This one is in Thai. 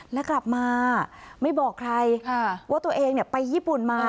แล้วกลับมาไม่บอกใครว่าตัวเองไปญี่ปุ่นมา